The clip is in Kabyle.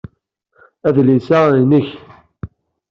Adlis-a nnek.